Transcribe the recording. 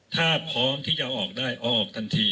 ถ้าพร้อมที่จะออกได้เอาออกทันที